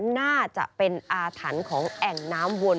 น่าจะเป็นอาถรรพ์ของแอ่งน้ำวน